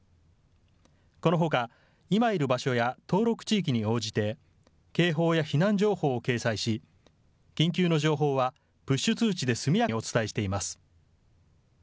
このほか、今いる場所や登録地域に応じて、警報や避難情報を掲載し、緊急の情報は、プッシュ通知で速やかにお伝えしています。